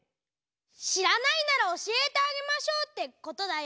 「知らないならおしえてあげましょう」ってことだよ。